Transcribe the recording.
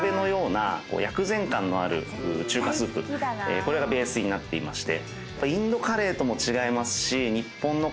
これがベースになっていまして。